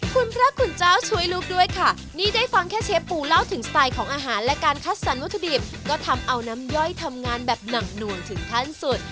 คุณพระคุณเจ้าช่วยลูกด้วยค่ะนี่ได้ฟังแค่เชฟปูเล่าถึงสไตล์ของอาหารและการคัดสรรวัตถุดิบก็ทำเอาน้ำย่อยทำงานแบบหนักหน่วงถึงขั้นสุด